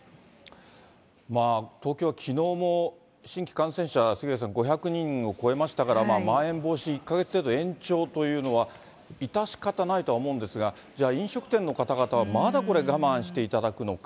東京はきのうも新規感染者、杉上さん、５００人を超えましたから、まん延防止、１か月程度延長というのは、致し方ないとは思うんですが、じゃあ、飲食店の方々はまだこれ、我慢していただくのか。